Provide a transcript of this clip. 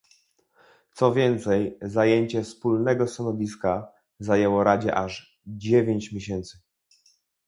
Co więcej, zajęcie wspólnego stanowiska zajęło Radzie aż dziewięć miesięcy